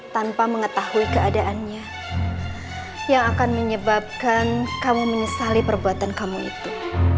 tanpa mengetahui keadaannya yang akan menyebabkan kamu menyesali perbuatan kamu itu